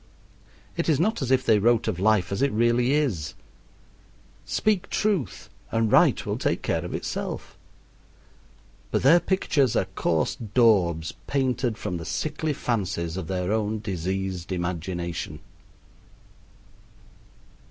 It is not as if they wrote of life as it really is. Speak truth, and right will take care of itself. But their pictures are coarse daubs painted from the sickly fancies of their own diseased imagination.